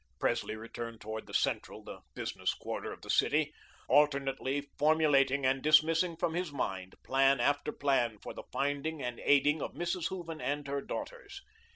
Presley returned toward the central, the business quarter of the city, alternately formulating and dismissing from his mind plan after plan for the finding and aiding of Mrs. Hooven and her daughters.